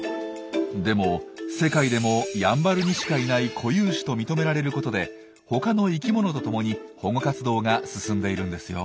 でも世界でもやんばるにしかいない固有種と認められることで他の生きものとともに保護活動が進んでいるんですよ。